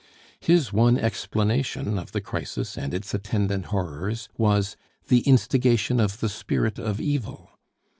His one explanation of the crisis and its attendant horrors was the instigation of the spirit of evil.